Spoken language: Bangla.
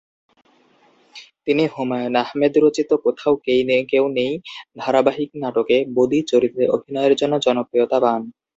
তিনি হুমায়ূন আহমেদ রচিত কোথাও কেউ নেই ধারাবাহিক নাটকে "বদি" চরিত্রে অভিনয়ের জন্য জনপ্রিয়তা পান।